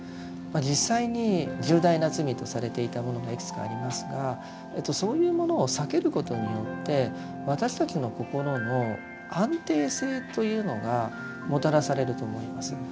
実際に重大な罪とされていたものがいくつかありますがそういうものを避けることによって私たちの心の安定性というのがもたらされると思います。